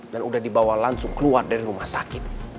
dan sudah dibawa langsung keluar dari rumah sakit